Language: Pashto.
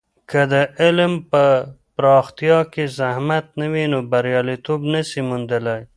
که د علم په پراختیا کې زحمت نه وي، نو بریالیتوب نسو موندلی.